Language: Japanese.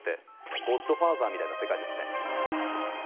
『ゴッドファーザー』みたいな世界ですね。